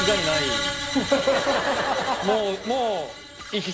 もうもう。